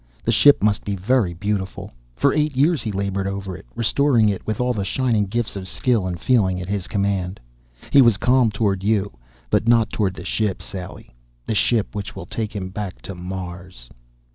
The ship must be very beautiful. For eight years he labored over it, restoring it with all the shining gifts of skill and feeling at his command. He was calm toward you, but not toward the ship, Sally the ship which will take him back to Mars!